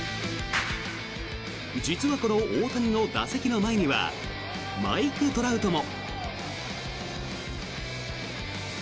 実は、この大谷の打席の前にはマイク・トラウトも。